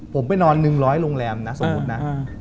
ผมไปนอน๑๐๐โรงแรมนะสมมุตินะ